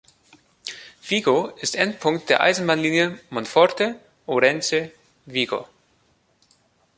Vigo ist Endpunkt der Eisenbahnlinie Monforte–Ourense–Vigo.